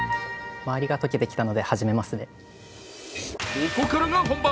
ここからが本番。